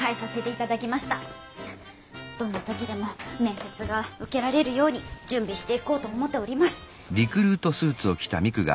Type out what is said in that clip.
どんな時でも面接が受けられるように準備していこうと思っております。